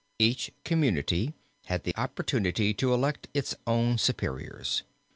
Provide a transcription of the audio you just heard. Each community had the opportunity to elect its own superiors.